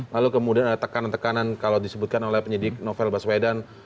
lalu kemudian ada tekanan tekanan kalau disebutkan oleh penyidik novel baswedan